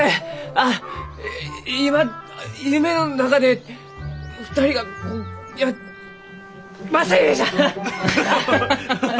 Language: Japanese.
あっ今夢の中で２人がこう正夢じゃ！